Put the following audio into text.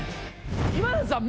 今田さん